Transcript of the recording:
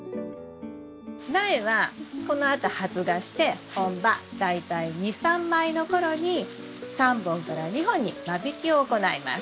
苗はこのあと発芽して本葉大体２３枚の頃に３本から２本に間引きを行います。